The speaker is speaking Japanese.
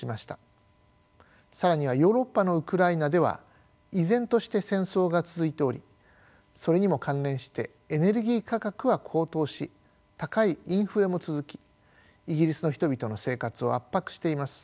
更にはヨーロッパのウクライナでは依然として戦争が続いておりそれにも関連してエネルギー価格は高騰し高いインフレも続きイギリスの人々の生活を圧迫しています。